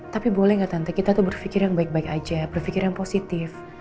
tapi boleh gak tante kita tuh berpikir yang baik baik aja berpikir yang positif